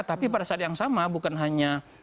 tapi pada saat yang sama bukan hanya